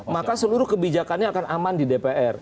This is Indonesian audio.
maka seluruh kebijakannya akan aman di dpr